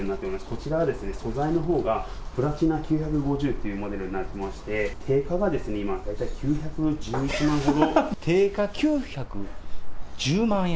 こちらはですね、素材のほうがプラチナ９５０っていうモデルになってまして、定価がですね、今、定価９１０万円？